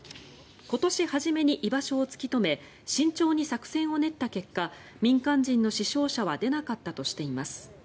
今年初めに居場所を突き止め慎重に作戦を練った結果民間人の死傷者は出なかったとしています。